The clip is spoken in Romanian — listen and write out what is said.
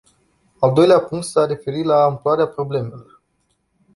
Al doilea punct s-a referit la amploarea problemelor.